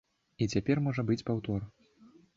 І цяпер можа быць паўтор.